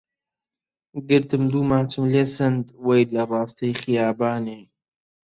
گرتم دوو ماچم لێ سەند وەی لە ڕاستەی خیابانێ